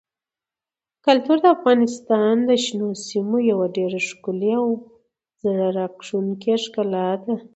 کلتور د افغانستان د شنو سیمو یوه ډېره ښکلې او زړه راښکونکې ښکلا ده.